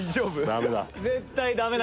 ダメだ。